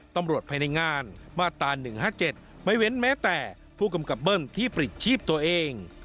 ภายในงานมาตรา๑๕๗ไม่เว้นแม้แต่ผู้กำกับเบิ้ลที่ปลิดชีพตัวเอง